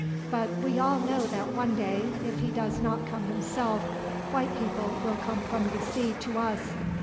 But we all know that one day, if he does not come himself, white people will come from the sea to us.